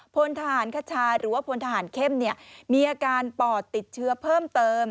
พลทหารคชาหรือว่าพลทหารเข้มมีอาการปอดติดเชื้อเพิ่มเติม